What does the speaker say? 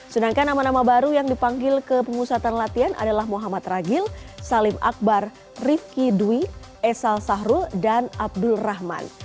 sedangkan nama nama baru yang dipanggil ke pengusatan latihan adalah muhammad ragil salim akbar rifki dwi esal sahrul dan abdul rahman